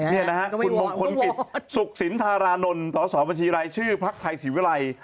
นี่นะฮะคุณมงคลปิดสุขศิลป์ธารานนท์ตศบัญชีรายชื่อพรรคไทยศิวิรัย